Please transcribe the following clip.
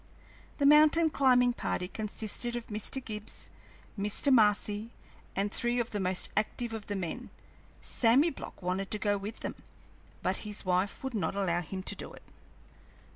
The mountain climbing party consisted of Mr. Gibbs, Mr. Marcy, and three of the most active of the men. Sammy Block wanted to go with them, but his wife would not allow him to do it.